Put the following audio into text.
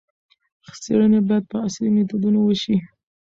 څېړنې باید په عصري میتودونو وشي.